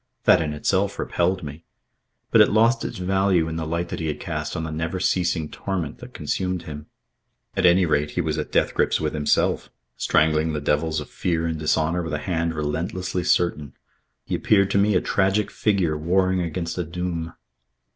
That in itself repelled me. But it lost its value in the light that he had cast on the never ceasing torment that consumed him. At any rate he was at death grips with himself, strangling the devils of fear and dishonour with a hand relentlessly certain. He appeared to me a tragic figure warring against a doom.